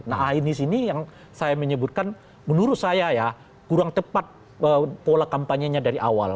nah anies ini yang saya menyebutkan menurut saya ya kurang tepat pola kampanyenya dari awal